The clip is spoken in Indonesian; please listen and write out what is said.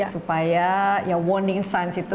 supaya ya warning science itu